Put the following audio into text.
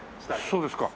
そうですか。